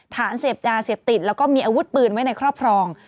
ฐานเสพยาเสพติดแล้วก็มีอาวุธปืนไว้ในครอบครอง